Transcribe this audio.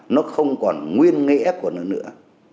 nó không còn nguyên nghĩa của nó nữa